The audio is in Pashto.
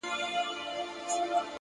صبر د سترو خوبونو ساتونکی دی!.